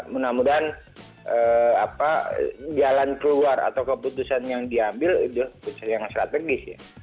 mudah mudahan jalan keluar atau keputusan yang diambil itu keputusan yang strategis ya